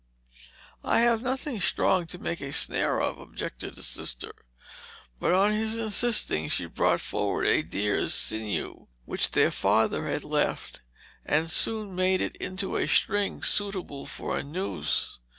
"I have nothing strong to make a snare of," objected the sister. But on his insisting, she brought forward a deer's sinew which their father had left, and soon made it into a string suitable for a noose.